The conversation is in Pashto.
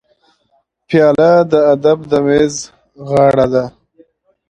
پیاله د ادب د میز غاړه ده.